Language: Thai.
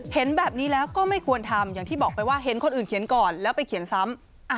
เห็นแบบนี้แล้วก็ไม่ควรทำอย่างที่บอกไปว่าเห็นคนอื่นเขียนก่อนแล้วไปเขียนซ้ำ